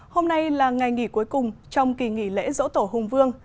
hôm nay là ngày nghỉ cuối cùng trong kỳ nghỉ lễ dỗ tổ hùng vương